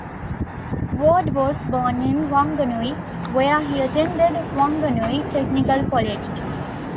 Ward was born in Wanganui, where he attended Wanganui Technical College.